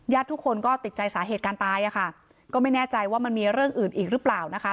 ทุกคนก็ติดใจสาเหตุการตายอะค่ะก็ไม่แน่ใจว่ามันมีเรื่องอื่นอีกหรือเปล่านะคะ